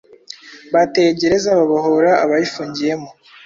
Bateye gereza babohora abayifungiyemo